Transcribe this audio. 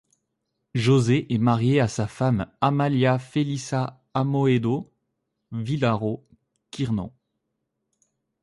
José est marié à sa femme Amalia Felisa Amoedo Vilaró Quirno.